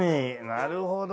なるほど。